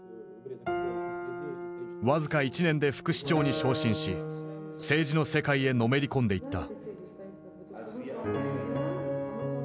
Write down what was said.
僅か１年で副市長に昇進し政治の世界へのめり込んでいった。